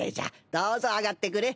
どうぞ上がってくれ。